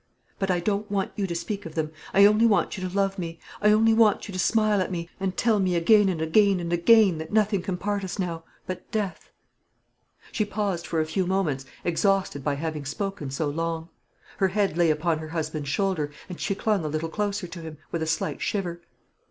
But I don't want you to speak of them; I only want you to love me; I only want you to smile at me, and tell me again and again and again that nothing can part us now but death." She paused for a few moments, exhausted by having spoken so long. Her head lay upon her husband's shoulder, and she clung a little closer to him, with a slight shiver.